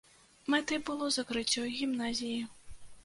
Мэтай было закрыццё гімназіі.